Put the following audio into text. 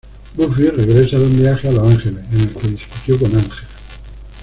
Buffy regresa de un viaje a Los Ángeles en el que discutió con Ángel.